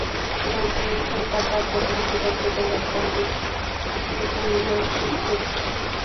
Durante esta etapa fue presidente de la Cambridge Union Society.